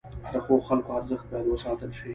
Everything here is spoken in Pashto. د ښو خلکو ارزښت باید وساتل شي.